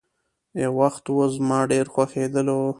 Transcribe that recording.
يو وخت وو، زما ډېر خوښيدلو.